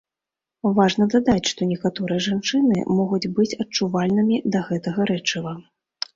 Важна дадаць, што некаторыя жанчыны могуць быць адчувальнымі да гэтага рэчыва.